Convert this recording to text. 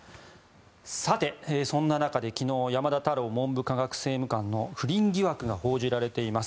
さて、そんな中で昨日山田太郎文部科学政務官の不倫疑惑が報じられています。